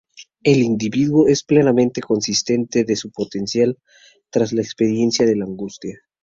Un individuo es plenamente consciente de su potencial tras la experiencia de la angustia.